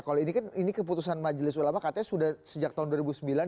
kalau ini kan ini keputusan majelis ulama katanya sudah sejak tahun dua ribu sembilan